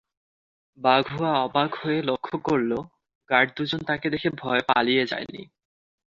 বাঘুয়া অবাক হয়ে লক্ষ করল, গার্ড দুজন তাকে দেখে ভয়ে পালিয়ে যায়নি।